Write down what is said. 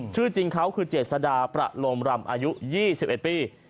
ชื่อจริงเขาคือเจษดาประโลมรำอายุ๒๑ปี